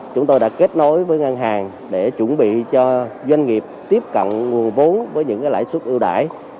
chúng tôi đã kết nối với ngân hàng để chuẩn bị cho doanh nghiệp tiếp cận nguồn vốn với những lãi suất ưu đại